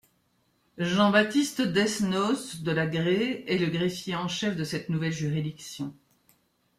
Jean-Baptiste Desnos de La Grée est le greffier en chef de cette nouvelle juridiction.